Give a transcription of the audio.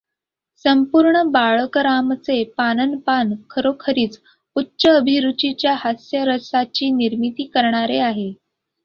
संपूर्ण बाळकरामचे पानन् पान खरोखरीच उच्च अभिरुचीच्या हास्यरसाची निर्मिती करणारे आहे.